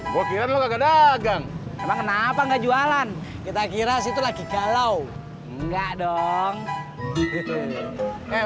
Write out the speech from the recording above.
bocoran lo gagal dagang kenapa enggak jualan kita kira situ lagi kalau enggak dong hehehe